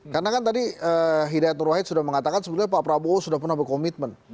karena kan tadi hidayat nur wahid sudah mengatakan sebenarnya pak prabowo sudah pernah berkomitmen